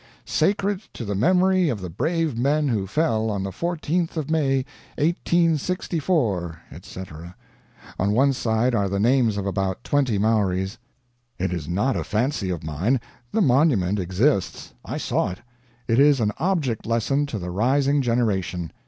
"Sacred to the memory of the brave men who fell on the 14th of May, 1864," etc. On one side are the names of about twenty Maoris. It is not a fancy of mine; the monument exists. I saw it. It is an object lesson to the rising generation.